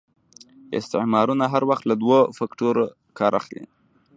استعمارونه هر وخت له دوه فکټورنو کار اخلي.